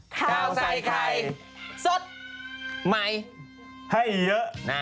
ข้าวใส่ไข่สดใหม่ให้เยอะนะ